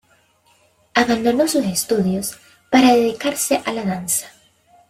Abandonó sus estudios para dedicarse a la danza.